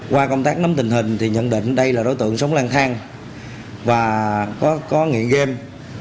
qua công tác nắm tình hình thì nhận định đây là đối tượng sống lang thang và có nghiện game